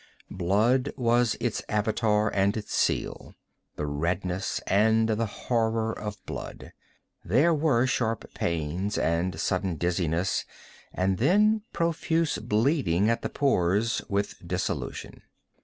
Blood was its Avatar and its seal—the redness and the horror of blood. There were sharp pains, and sudden dizziness, and then profuse bleeding at the pores, with dissolution.